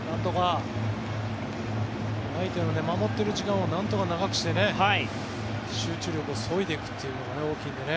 相手の守っている時間をなんとか長くして集中力をそいでいくというのが大きいのでね。